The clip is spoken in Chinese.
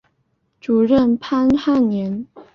主任潘汉年。